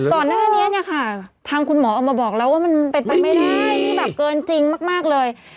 ก่อนหน้านี้เนี่ยค่ะทางคุณหมอออกมาบอกแล้วว่ามันเป็นไปไม่ได้มีแบบเกินจริงมากเลย